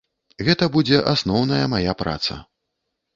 Гэта будзе асноўная мая праца.